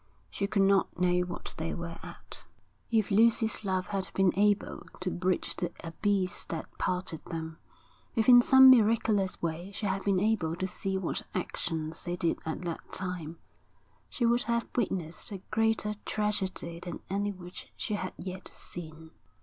She could not know what they were at. If Lucy's love had been able to bridge the abyss that parted them, if in some miraculous way she had been able to see what actions they did at that time, she would have witnessed a greater tragedy than any which she had yet seen.